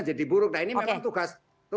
jadi buruk nah ini memang tugas